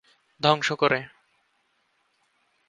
ধ্বংস করে।